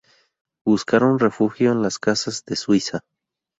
Buscaron refugio en las casas de Suiza.